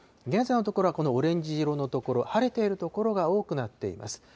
現在のところはこのオレンジ色の所、晴れている所が多くなっています。